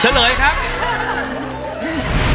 เฉลยครับ